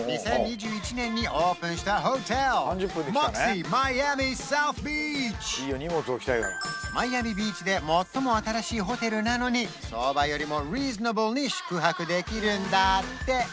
２０２１年にオープンしたホテルマイアミビーチで最も新しいホテルなのに相場よりもリーズナブルに宿泊できるんだって